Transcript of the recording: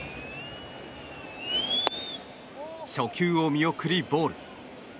初球を見送りボール。